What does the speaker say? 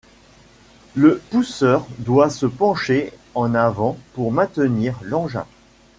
Le pousseur doit se pencher en avant pour maintenir l’engin.